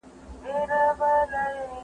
زه د کتابتوننۍ سره مرسته کړې ده!